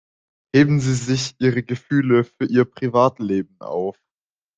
Heben Sie sich Ihre Gefühle für Ihr Privatleben auf!